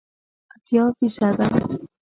اتیا فیصده